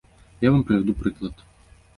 Я вам прывяду прыклад.